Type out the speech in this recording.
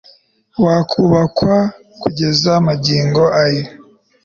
wakubakwa kugeza magingo aya